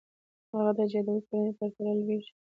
هغه د جادوګرې کورنۍ پرته لوېږي.